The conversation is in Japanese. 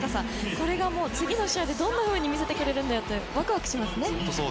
これが次の試合でもどのように見せてくれるかワクワクしますね。